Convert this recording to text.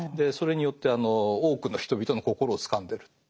それによって多くの人々の心をつかんでる。